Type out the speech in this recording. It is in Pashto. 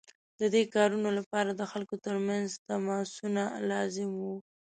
د دې کارونو لپاره د خلکو ترمنځ تماسونه لازم وو.